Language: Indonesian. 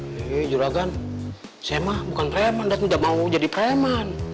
hei juragan saya mah bukan preman dan tidak mau jadi preman